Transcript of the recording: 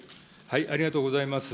ありがとうございます。